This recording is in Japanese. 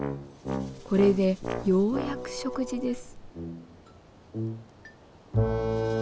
これでようやく食事です。